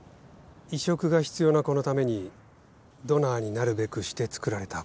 移植が必要な子のためにドナーになるべくしてつくられた子のことです。